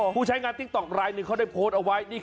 ผู้ใช้งานติ๊กต๊อกรายหนึ่งเขาได้โพสต์เอาไว้